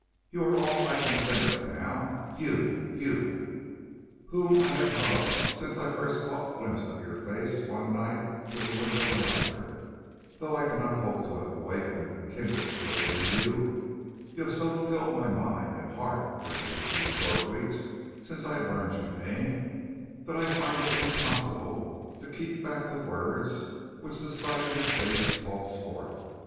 "You are all I can think of now; you, you, whom I have loved since I caught the first glimpse of your face one night through the window yonder. Though I have known you but a little while, and though I cannot hope to have awakened a kindred feeling in you, you have so filled my mind and heart during the few short weeks since I learned your name, that I find it impossible to keep back the words which the sight of your face calls forth.